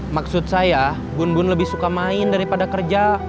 maksud saya bun bun lebih suka main daripada kerja